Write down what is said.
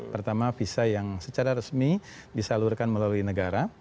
pertama visa yang secara resmi disalurkan melalui negara